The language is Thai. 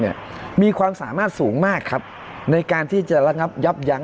มีความสามารถสูงมากครับในการที่จะระงับยับยั้ง